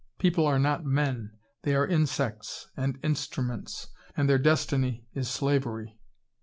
People are not MEN: they are insects and instruments, and their destiny is slavery.